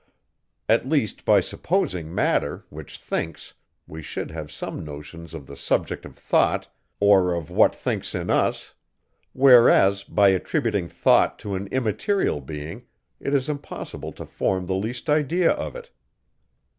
At least, by supposing matter, which thinks, we should have some notions of the subject of thought, or of what thinks in us; whereas, by attributing thought to an immaterial being, it is impossible to form the least idea of it.